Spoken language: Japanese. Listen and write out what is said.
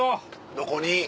どこに？